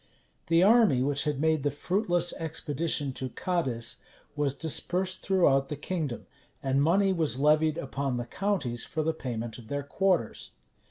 The army which had made the fruitless expedition to Cadiz, was dispersed throughout the kingdom; and money was levied upon the counties for the payment of their quarters.